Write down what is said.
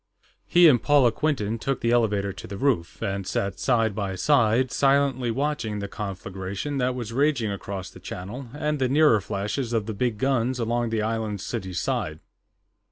He and Paula Quinton took the elevator to the roof, and sat side by side, silently watching the conflagration that was raging across the channel and the nearer flashes of the big guns along the island's city side.